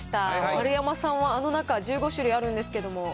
丸山さんは、あの中、１５種類あるんですけど。